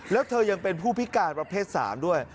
แล้วเธอยังเป็นผู้พิการประเภท๓ด้วย